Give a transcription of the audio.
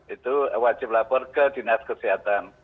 itu wajib lapor ke dinas kesehatan